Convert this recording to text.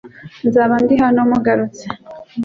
Nzaba ndi hano mugarutse .